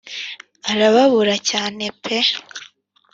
arababura cyane pe